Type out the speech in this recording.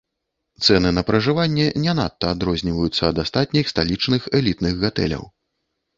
Цэны на пражыванне не надта адрозніваюцца ад астатніх сталічных элітных гатэляў.